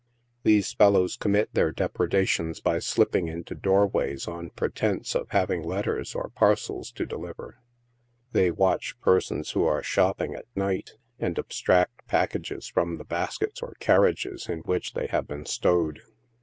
These fellows commit their depreda tions by slipping into doorways on pretence of having letters or parcels to deliver. They watch persons who are shopping at night, and abstract packages from the baskets or carriages in which they have been stowed.